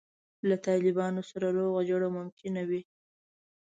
له طالبانو سره روغه جوړه ممکنه وي.